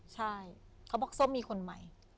ใช่เขาบอกส้มมีคนใหม่